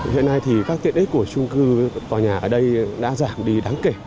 hiện nay thì các tiện ích của trung cư tòa nhà ở đây đã giảm đi đáng kể